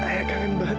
saya kangen banget